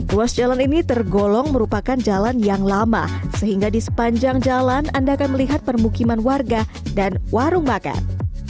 ruas jalan ini tergolong merupakan jalan yang lama sehingga di sepanjang jalan anda akan melihat permukiman warga dan warung makan